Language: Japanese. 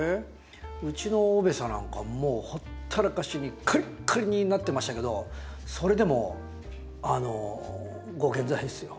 うちのオベサなんかもうほったらかしにカリッカリになってましたけどそれでもあのご健在ですよ。